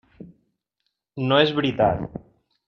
No és veritat!